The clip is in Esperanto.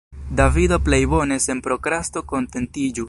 Davido plej bone sen prokrasto kontentiĝu.